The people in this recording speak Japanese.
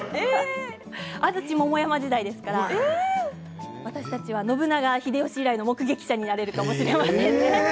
安土桃山時代ですから私たちは信長、秀吉以来の目撃者になれるかもしれません。